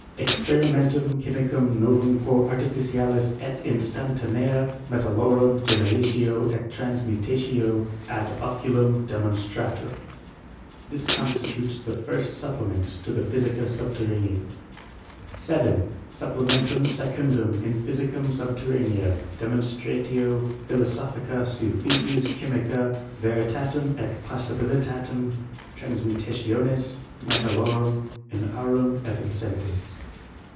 Experimentom Chymicum noTum quo artificialis et instantanea metallomin goieratio et transmutatio, ad ocolmn denKmstratar. — ^This constitutes the first supplement to the Physica Subterranea. 7. Supplementum secundum in Physicam subter raneam, demonstratio philosophica seu Theses Chy micee, veiitatem et possibilitatem transmutationis me* taUorum in aurum erincentes.